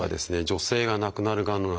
女性が亡くなるがんの